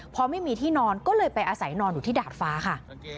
พอไม่มีที่นอนก็เลยไปอาศัยนอนอยู่ที่ดาดฟ้าค่ะ